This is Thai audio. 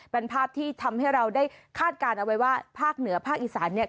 เป็นภาพที่ทำให้เราได้คาดการณ์เอาไว้ว่าภาคเหนือภาคอีสานเนี่ย